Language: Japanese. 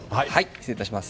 失礼いたします。